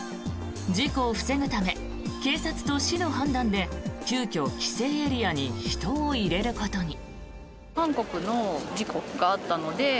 事故を防ぐため警察と市の判断で急きょ規制エリアに人を入れることに。